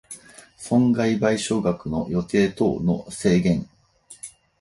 損害賠償額の予定等の制限